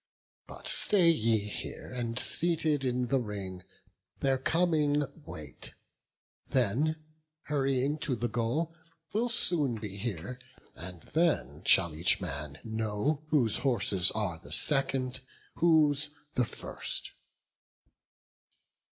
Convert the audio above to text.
But stay ye here, and seated in the ring, Their coming wait; they, hurrying to the goal, Will soon be here; and then shall each man know Whose horses are the second, whose the first."